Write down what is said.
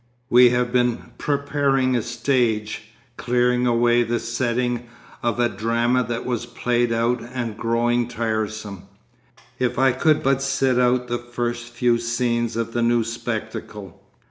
We have been preparing a stage, clearing away the setting of a drama that was played out and growing tiresome.... If I could but sit out the first few scenes of the new spectacle....